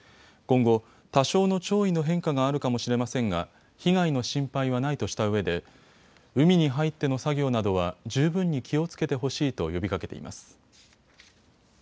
今後、多少の潮位の変化があるかもしれませんが被害の心配はないとしたうえで海に入っての作業などは十分に気をつけてほしいと呼びかけています。